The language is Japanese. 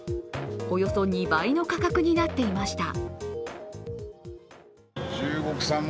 およそ２倍の価格になっていました